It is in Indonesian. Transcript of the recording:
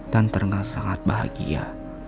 dan terengah sangat bahagia